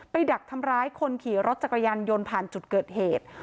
ดักทำร้ายคนขี่รถจักรยานยนต์ผ่านจุดเกิดเหตุ